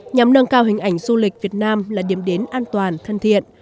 nhằm nâng cao hình ảnh du lịch việt nam là điểm đến an toàn thân thiện